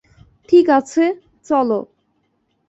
ঠিক আছে, চলো!